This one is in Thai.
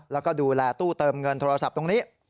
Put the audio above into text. แล้วก็ดูแลตู้เติมเงินโทรศัพท์ตรงนี้